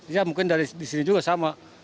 ya mungkin dari di sini juga sama